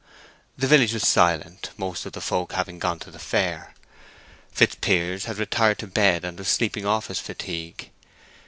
The village was silent, most of the folk having gone to the fair. Fitzpiers had retired to bed, and was sleeping off his fatigue.